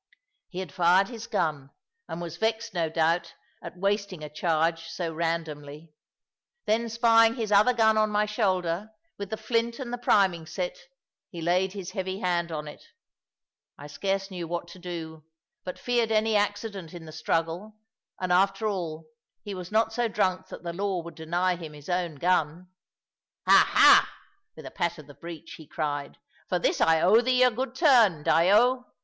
He had fired his gun, and was vexed, no doubt, at wasting a charge so randomly; then spying his other gun on my shoulder, with the flint and the priming set, he laid his heavy hand on it. I scarce knew what to do, but feared any accident in the struggle; and after all, he was not so drunk that the law would deny him his own gun. "Ha, ha!" with a pat of the breech, he cried; "for this I owe thee a good turn, Dyo.